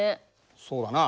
そうだな。